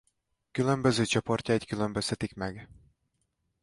Különböző csoportjait különböztetik meg.